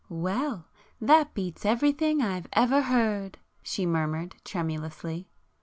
"Well, that beats everything I've ever heard!" she murmured tremulously.